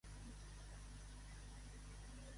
Si a Bellús vas, pregunta pel Pare Sant.